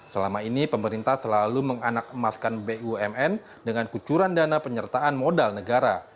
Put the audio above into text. selama ini pemerintah selalu menganak emaskan bumn dengan kucuran dana penyertaan modal negara